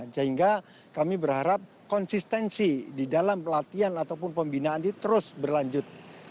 sehingga kami berharap konsistensi di dalam pelatihan ataupun pembinaan itu terus berlanjut